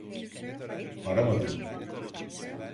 Aramadın.